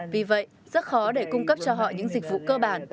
vì vậy rất khó để cung cấp cho họ những dịch vụ cơ bản